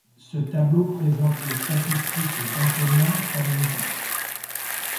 Ce tableau présente les statistiques d'Antonín Panenka.